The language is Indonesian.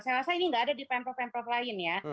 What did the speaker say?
saya rasa ini nggak ada di pemprov pemprov lain ya